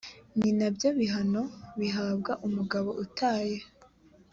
ni na byo bihano bihabwa umugabo utaye